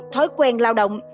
thói quen lao động